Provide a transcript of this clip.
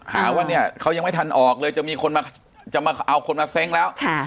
หาว่าเนี่ยเขายังไม่ทันออกเลยจะมีคนมาจะมาเอาคนมาเซ้งแล้ว